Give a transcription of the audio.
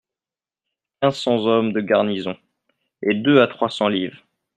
Quinze cents hommes de garnison, et deux à trois cents liv.